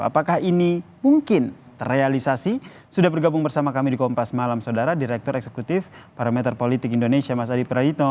apakah ini mungkin terrealisasi sudah bergabung bersama kami di kompas malam saudara direktur eksekutif parameter politik indonesia mas adi prayitno